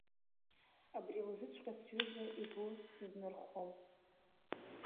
Абри лзыҵәҟьа сҩыза игәы сызнырхом.